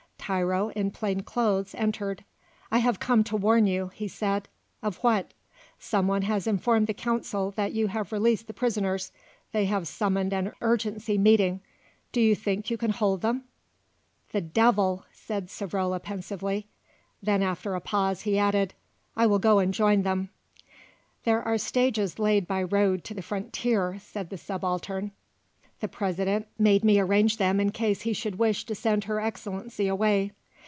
Tiro, in plain clothes, entered. "I have come to warn you," he said. "Of what?" "Someone has informed the Council that you have released the prisoners. They have summoned an urgency meeting. Do you think you can hold them?" "The devil!" said Savrola pensively. Then after a pause he added, "I will go and join them." "There are stages laid by road to the frontier," said the Subaltern. "The President made me arrange them in case he should wish to send Her Excellency away.